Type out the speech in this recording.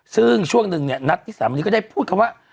ซึ่งช่วงหนึ่งเนี่ยนัดที่สามวันนี้ก็ได้พูดคำว่า